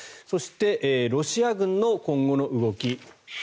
そして、ロシア軍の今後の動き。